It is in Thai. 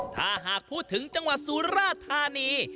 ถ้าหากพูดถึงจังหวัดสุราธานี